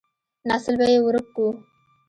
نسل به يې ورک کو.